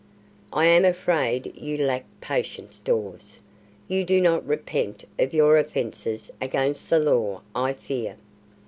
"I am afraid you lack patience, Dawes. You do not repent of your offences against the law, I fear."